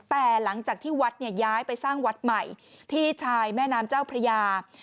แต่หลังจากที่วัดเนี่ยย้ายไปสร้างวัดใหม่ที่ชายแม่น้ำเจ้าพระยา